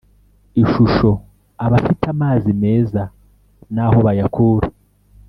Ishusho abafite amazi meza n aho bayakura